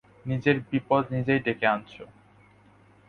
নিজের বিপদ নিজেই ডেকে আনছো।